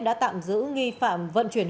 đã tạm giữ nghi phạm vận chuyển hơn